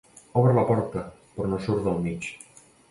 Obre la porta, però no surt del mig.